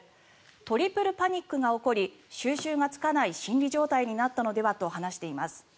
トリプルパニックが起こり収拾がつかない心理状態になったのではと話しています。